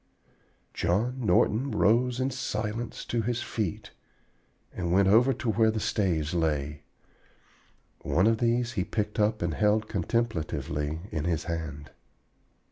John Norton rose in silence to his feet and went over to where the staves lay. One of these he picked up and held contemplatively in his hand.